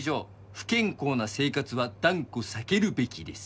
「不健康な生活は断固避けるべきです」